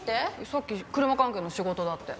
さっき車関係の仕事だって。